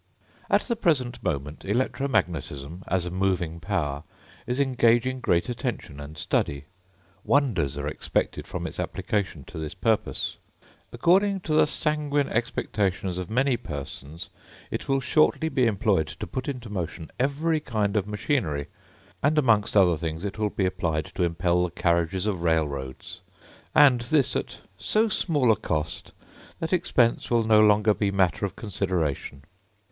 At the present moment, electro magnetism, as a moving power, is engaging great attention and study; wonders are expected from its application to this purpose. According to the sanguine expectations of many persons, it will shortly be employed to put into motion every kind of machinery, and amongst other things it will be applied to impel the carriages of railroads, and this at so small a cost, that expense will no longer be matter of consideration.